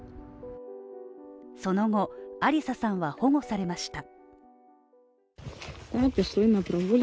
その後、アリサさんは保護されました。